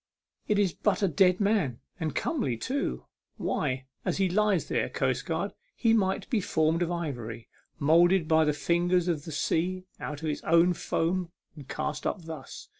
It is but a dead man, and comely too. Why, as he lies there, coastguard, he might be formed of ivory, moulded by the fingers of the sea out of its own foam, and cast up thus.